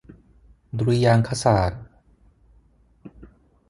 ดุริยางคศาสตร์